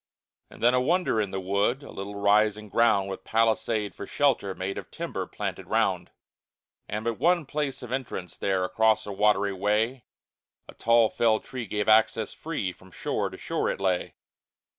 And then a wonder in the wood, A little rising ground, With palisade for shelter made Of timber planted round. And but one place of entrance there Across a watery way, A tall felled tree gave access free, From shore to shore it lay.